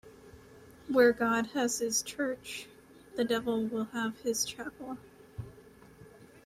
Where God has his church, the devil will have his chapel.